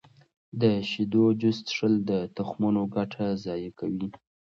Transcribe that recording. د شیدو جوس څښل د تخمونو ګټه ضایع کوي.